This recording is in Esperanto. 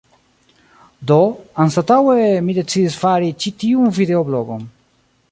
Do, anstataŭe mi decidis fari ĉi tiun videoblogon